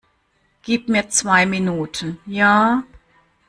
Gib mir zwei Minuten, ja?